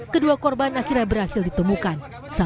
kedua korban akhirnya berhasil ditemukan